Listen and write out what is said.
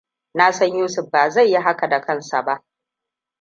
Na san Yusuf ba zai yi haka da kansa ba.